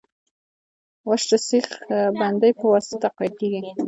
واش د سیخ بندۍ په واسطه تقویه کیږي